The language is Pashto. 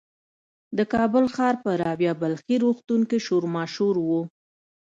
د کابل ښار په رابعه بلخي روغتون کې شور ماشور و.